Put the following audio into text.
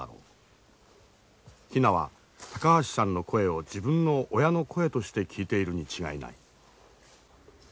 ヒナは高橋さんの声を自分の親の声として聞いているに違いない。